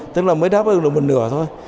tức là mới đáp ứng được một nửa thôi